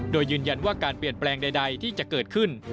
โดยยืนยันว่าการเปลี่ยนแปลงใดที่จะเกิดขึ้น